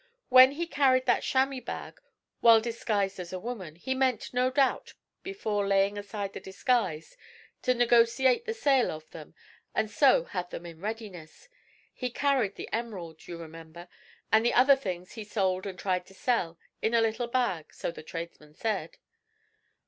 'When he carried that chamois bag, while disguised as a woman, he meant, no doubt, before laying aside the disguise, to negotiate the sale of them, and so had them in readiness. He carried the emerald, you remember, and the other things he sold and tried to sell, in a little bag, so the tradesman said.'